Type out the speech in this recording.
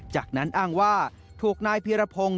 จากนั้นอ้างว่าถูกนายเพียรพงศ์